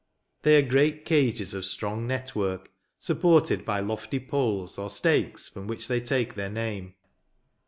They are great cages of strong net work, supported by lofty poles, or stakes, from which they take their name.